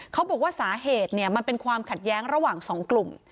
เขาบอกว่าสาเหตุมันเป็นความขัดแย้งระหว่างสองกลุ่ม